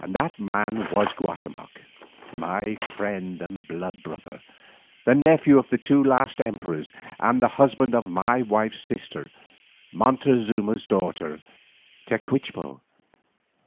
That man was Guatemoc, my friend and blood brother, the nephew of the two last emperors and the husband of my wife's sister, Montezuma's daughter, Tecuichpo.